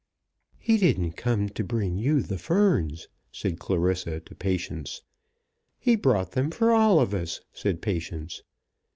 "He didn't come to bring you the ferns," said Clarissa to Patience. "He brought them for all of us," said Patience.